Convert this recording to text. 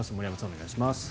お願いします。